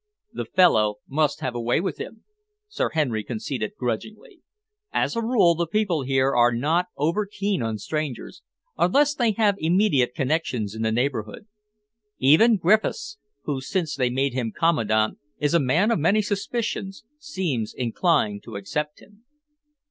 "The fellow must have a way with him," Sir Henry conceded grudgingly. "As a rule the people here are not over keen on strangers, unless they have immediate connections in the neighbourhood. Even Griffiths, who since they made him Commandant, is a man of many suspicions, seems inclined to accept him."